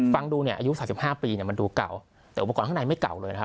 ฟังดูเนี่ยอายุ๓๕ปีมันดูเก่าแต่อุปกรณ์ข้างในไม่เก่าเลยนะครับ